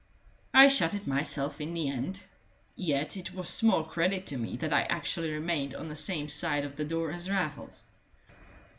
I shut it myself in the end. Yet it was small credit to me that I actually remained on the same side of the door as Raffles.